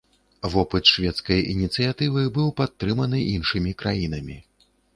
Вопыт шведскай ініцыятывы быў падтрыманы іншымі краінамі.